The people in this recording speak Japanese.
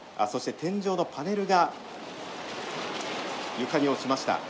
そして天井のパネルが床に落ちました。